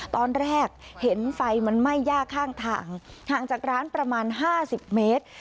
ตอนแรกเห็นไฟมันไหม้ย่าข้างทางห่างจากร้านประมาณ๕๐เมตร